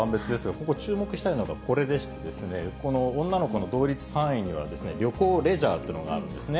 ここ注目したいのがこれでして、この女の子の同率３位には、旅行・レジャーっていうのがあるんですね。